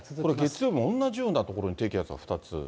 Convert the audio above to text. これ、月曜日も同じような所に低気圧が２つ。